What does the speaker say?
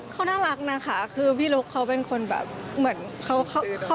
เขาน่ารักนะคะพี่ลุคเป็นคนแบบ